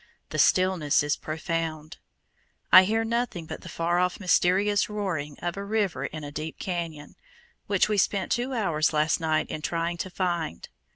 The stillness is profound. I hear nothing but the far off mysterious roaring of a river in a deep canyon, which we spent two hours last night in trying to find.